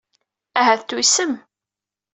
Ahat tuysem.